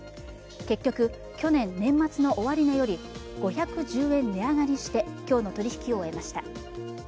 結局、去年年末の終値より５１０円値上がりして今日の取り引きを終えました。